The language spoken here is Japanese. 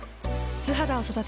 素肌を育てる。